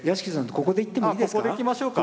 ここでいってもいいですか。